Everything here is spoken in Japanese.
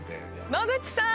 野口さん